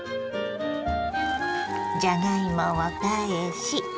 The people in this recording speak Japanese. じゃがいもを返し